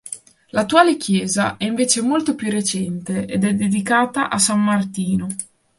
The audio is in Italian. L'attuale chiesa è invece molto più recente ed è dedicata a San Martino.